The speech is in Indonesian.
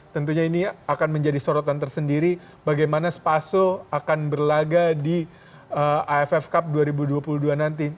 tentunya ini akan menjadi sorotan tersendiri bagaimana spaso akan berlaga di aff cup dua ribu dua puluh dua nanti